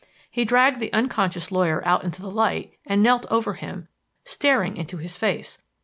He dragged the unconscious lawyer out into the light and knelt over him, staring into his face.